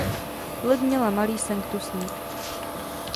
Loď měla malý sanktusník.